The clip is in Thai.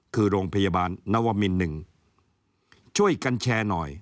คือโรงพยาบาลนวมิน๑ช่วยกันแชร์หน่อย